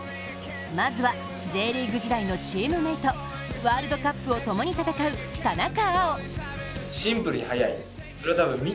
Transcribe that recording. まずは、Ｊリーグ時代のチームメイト、ワールドカップを共に戦う田中碧。